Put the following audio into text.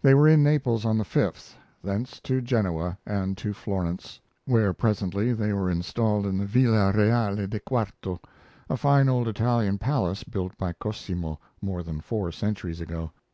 They were in Naples on the 5th; thence to Genoa, and to Florence, where presently they were installed in the Villa Reale di Quarto, a fine old Italian palace built by Cosimo more than four centuries ago.